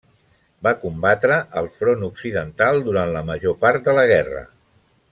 Va combatre al Front occidental durant la major part de la guerra.